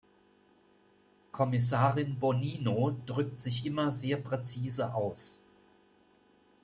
Kommissarin Bonino drückt sich immer sehr präzise aus.